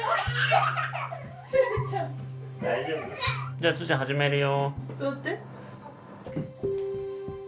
じゃあつーちゃん始めるよ。